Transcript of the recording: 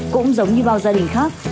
cũng giống như bao gia đình khác